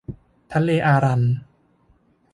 ทะเลอารัล